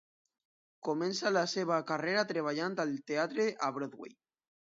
Comença la seva carrera treballant al teatre a Broadway.